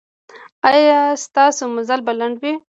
ایا ستاسو مزل به لنډ وي؟